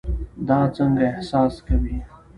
دا څنګه احساس کوي؟